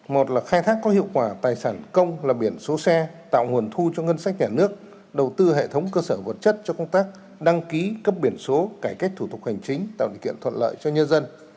một là khai thác có hiệu quả tài sản công là biển số xe tạo nguồn thu cho ngân sách nhà nước đầu tư hệ thống cơ sở vật chất cho công tác đăng ký cấp biển số cải cách thủ tục hành chính tạo điều kiện thuận lợi cho nhân dân